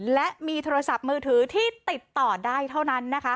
และมีโทรศัพท์มือถือที่ติดต่อได้เท่านั้นนะคะ